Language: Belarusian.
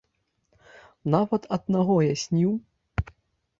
Нават аднаго я сніў.